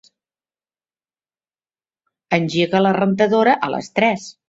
Engega la rentadora a les tres.